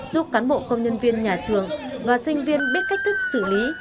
giúp cán bộ công nhân viên nhà trường và sinh viên biết cách thức xử lý